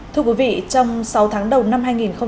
thưa quý vị trong sáu tháng đầu năm hai nghìn hai mươi